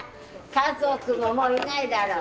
家族ももういないだろう？